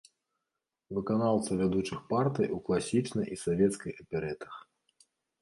Выканаўца вядучых партый у класічнай і савецкай аперэтах.